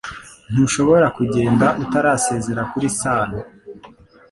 Ntushobora kugenda utarasezera kuri Sano